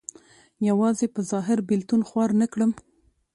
یوازې په ظاهر بېلتون خوار نه کړم.